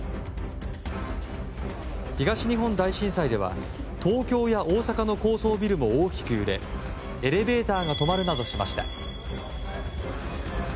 東日本大震災では東京や大阪の高層ビルも大きく揺れエレベーターが止まるなどしました。